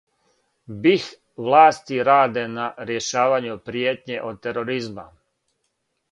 БиХ власти раде на рјешавању пријетње од тероризма